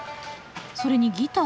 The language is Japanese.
それにギター。